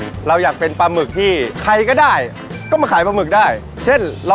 ก็เหมือนกับปลาหมึกที่ใช่อยู่ในมือของเรา